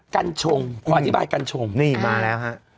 กัญชงขออธิบายกัญชงนี่มาแล้วฮะ